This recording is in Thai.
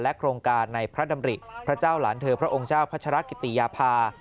โครงการในพระดำริพระเจ้าหลานเธอพระองค์เจ้าพัชรกิติยาภา